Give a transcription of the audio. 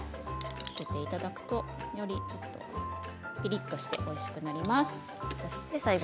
載せていただくとよりピリっとしておいしくなります。